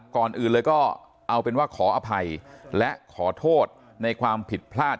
ก่อนอื่นเลยก็เอาเป็นว่าขออภัยและขอโทษในความผิดพลาด